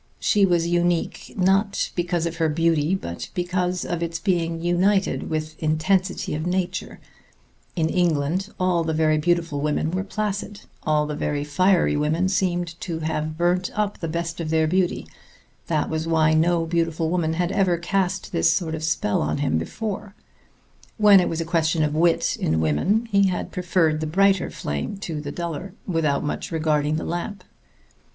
she was unique not because of her beauty but because of its being united with intensity of nature; in England all the very beautiful women were placid, all the fiery women seemed to have burnt up the best of their beauty; that was why no beautiful woman had ever cast this sort of spell on him before; when it was a question of wit in women he had preferred the brighter flame to the duller, without much regarding the lamp.